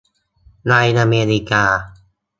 ในอเมริกา